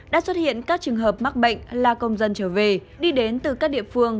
đã xuất hiện các trường hợp mắc bệnh là công dân trở về đi đến từ các địa phương